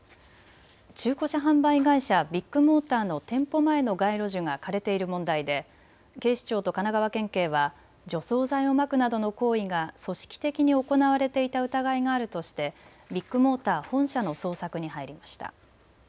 中古車販売会社ビッグモーターの店舗前の街路樹が枯れている問題で警視庁と神奈川県警は除草剤をまくなどの行為が組織的に行われていた疑いがあるとしてビッグモーター本社の捜索に入りました。